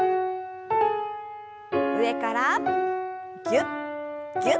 上からぎゅっぎゅっと。